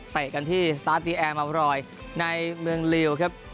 กันที่สตาร์ทดีแอร์มารอยในเมืองลิวครับ